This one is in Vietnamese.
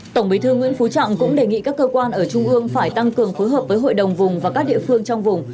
tổng bí thư nguyễn phú trọng cũng đề nghị các cơ quan ở trung ương phải tăng cường phối hợp với hội đồng vùng và các địa phương trong vùng